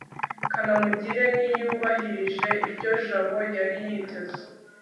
kanamugire ntiyubahirije ibyo jabo yari yiteze